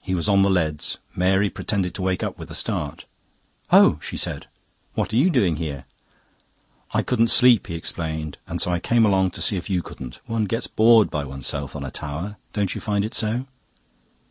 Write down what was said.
He was on the leads. Mary pretended to wake up with a start. "Oh!" she said. "What are you doing here?" "I couldn't sleep," he explained, "so I came along to see if you couldn't. One gets bored by oneself on a tower. Don't you find it so?"